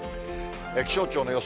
気象庁の予想